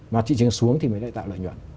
mà thị trường xuống thì mới lại tạo lợi nhuận